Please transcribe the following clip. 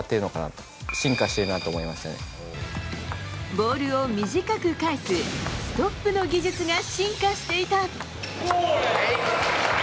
ボールを短く返すストップの技術が進化していた。